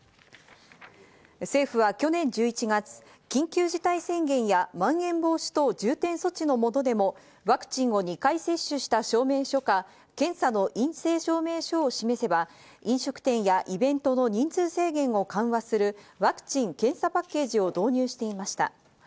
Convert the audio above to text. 政府は去年１１月、緊急事態宣言やまん延防止等重点措置のもとでもワクチンを２回接種した証明書か検査の陰性証明書を示せば、飲食店やイベントの人数制限を緩和するワクチン・検査パッケージを導入していました。